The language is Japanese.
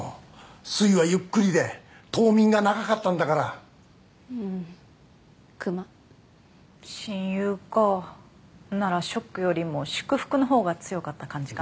すいはゆっくりで冬眠が長かったんだからうん熊親友かならショックよりも祝福のほうが強かった感じかな？